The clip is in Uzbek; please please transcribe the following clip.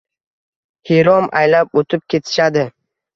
hirom aylab o‘tib ketishadi